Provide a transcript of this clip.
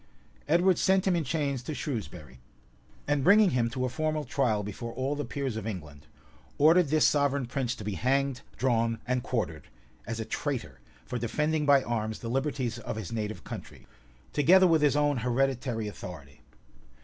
{1283.} Edward sent him in chains to Shrewsbury; and bringing him to a formal trial before all the peers of England, ordered this sovereign prince to be hanged, drawn, and quartered, as a traitor, for defending by arms the liberties of his native country, together with his own hereditary authority.